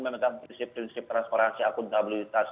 memegang prinsip prinsip transparansi akuntabilitas